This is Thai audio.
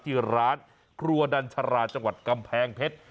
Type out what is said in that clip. ที่ร้านครัวดัญชาราจังหวัดกำแพงเพชร